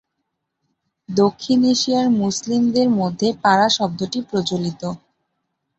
দক্ষিণ এশিয়ার মুসলিমদের মধ্যে পারা শব্দটি প্রচলিত।